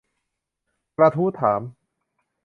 กระทู้ถาม